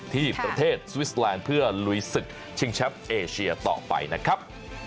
ที่ประเทศสวิสแลนด์เพื่อลุยศึกชิงแชมป์เอเชียต่อไปนะครับ